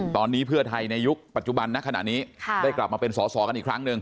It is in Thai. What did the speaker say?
ตอนนี้เพื่อไทยในยุคปัจจุบันนะขณะนี้ได้กลับมาเป็นสอสอกันอีกครั้งหนึ่ง